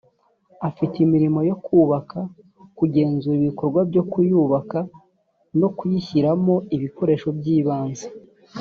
afite imirimo yo kubaka kugenzura ibikorwa byo kuyubaka no kuyishyiramo ibikoresho by’ibanze